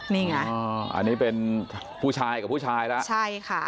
นี่ไงอันนี้เป็นผู้ชายกับผู้ชายแล้วใช่ค่ะ